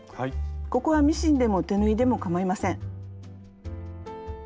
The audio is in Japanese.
ここはミシンでも手縫いでもかまいません。